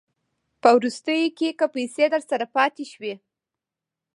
په وروستیو کې که پیسې درسره پاته شوې